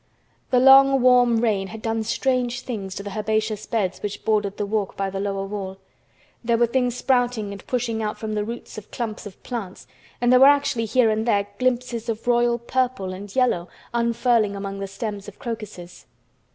The long warm rain had done strange things to the herbaceous beds which bordered the walk by the lower wall. There were things sprouting and pushing out from the roots of clumps of plants and there were actually here and there glimpses of royal purple and yellow unfurling among the stems of crocuses.